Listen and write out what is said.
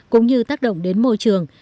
cũng như tác động đến môi trường